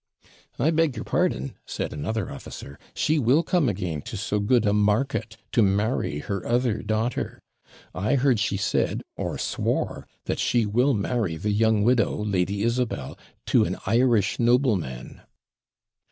'I beg your pardon,' said another officer; 'she will come again to so good a market, to marry her other daughter. I hear she said, or swore, that she will marry the young widow, Lady Isabel, to an Irish nobleman.'